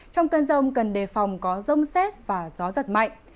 trong cơn rông cần đề phòng có rông xét và gió giật mạnh